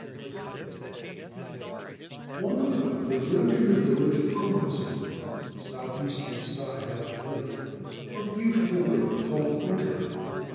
LEGEND <^J 4 Long ago there lived in the village of Komatsu, on the south eastern side of the lake, a beautiful girl called O Tani.